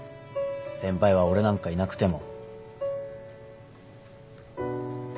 先輩は俺なんかいなくても。